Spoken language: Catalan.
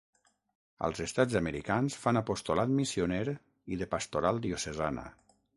Als estats americans fan apostolat missioner i de pastoral diocesana.